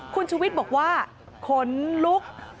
คุณชูวิทย์บอกว่าขนลุก